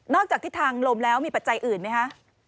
จากทิศทางลมแล้วมีปัจจัยอื่นไหมคะ